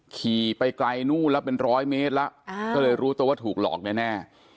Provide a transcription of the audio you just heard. ขี่ไปไกลนู่นแล้วเป็นร้อยเมตรแล้วก็เลยรู้ตัวว่าถูกหลอกแน่